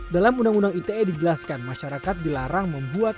dalam undang undang ite dijelaskan masyarakat dilarang membuat